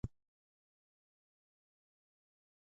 Al mas bé hi viuràs i mal hi moriràs.